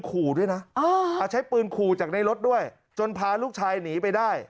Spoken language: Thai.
ขู่ด้วยนะใช้ปืนขู่จากในรถด้วยจนพาลูกชายหนีไปได้